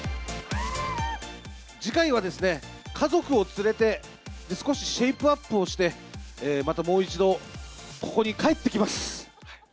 次回は、家族を連れて、少しシェイプアップをして、またもう一度、ここに帰ってきま